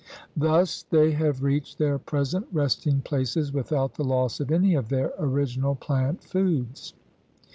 Thus they have reached their present resting places without the loss of any of their origi nal plant foods.